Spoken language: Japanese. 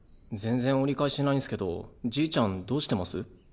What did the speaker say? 全然折り返しないんすけどじいちゃんどうしてます？